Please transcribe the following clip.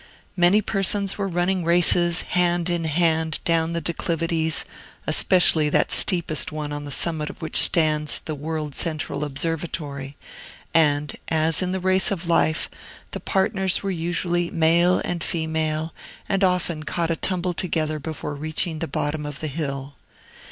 Many persons were running races, hand in hand, down the declivities, especially that steepest one on the summit of which stands the world central Observatory, and (as in the race of life) the partners were usually male and female, and often caught a tumble together before reaching the bottom of the hill.